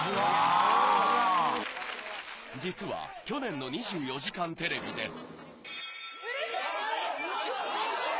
実は去年の２４時間テレビで。